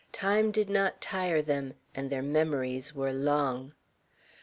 Time did not tire them, and their memories were long.